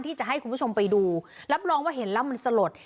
ที่จะให้คุณผู้ชมไปดูรับรองว่าเห็นแล้วมันสลด